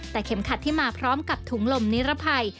แต่เข็มขัดที่มาพร้อมกับถุงลมนิรภัย